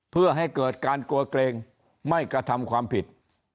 เพื่อให้เกิดการกลัวเกรงไม่กระทำความผิด